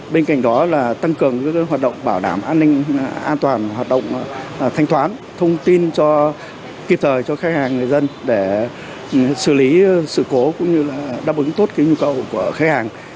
bên cạnh đó là tăng cường hoạt động bảo đảm an ninh an toàn hoạt động thanh toán thông tin kịp thời cho khách hàng người dân để xử lý sự cố cũng như là đáp ứng tốt nhu cầu của khách hàng